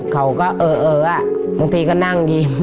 เขาก็เอออ่ะบางทีก็นั่งยิ้มอะไรอย่างนี้